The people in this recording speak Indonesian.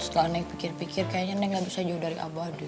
setelah neng pikir pikir kayaknya neng gak bisa jauh dari abah deh